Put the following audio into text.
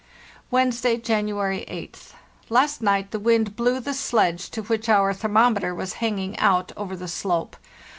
" Wednesday, January 8th. Last night the wind blew the sledge to which our thermometer was hanging out over the slope.